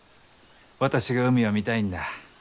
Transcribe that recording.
私が海を見たいんだ。